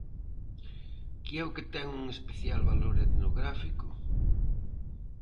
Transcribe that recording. ¿Que é o que ten un especial valor etnográfico?